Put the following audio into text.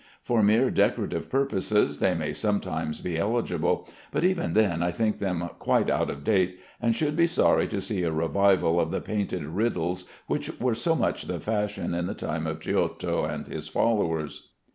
For mere decorative purposes they may sometimes be eligible, but even then I think them quite out of date, and should be sorry to see a revival of the painted riddles which were so much the fashion in the time of Giotto and his followers.